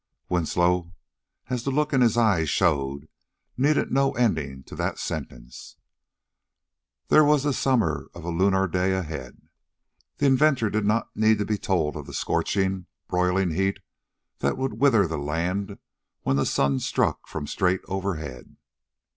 Winslow, as the look in his eyes showed, needed no ending to that sentence. There was the summer of a lunar day ahead; the inventor did not need to be told of the scorching, broiling heat that would wither the land when the sun struck from straight overhead.